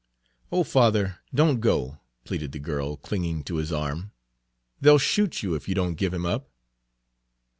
"Oh, father! don't go!" pleaded the girl, clinging to his arm; "they'll shoot you if you don't give him up."